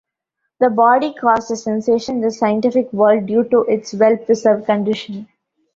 The body caused a sensation in the scientific world due to its well-preserved condition.